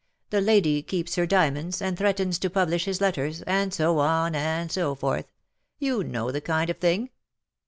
The lady keeps her diamonds, and threatens to publish his letters,' and so on, and so forth. You know the kind of thing